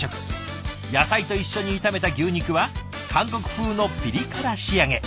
野菜と一緒に炒めた牛肉は韓国風のピリ辛仕上げ。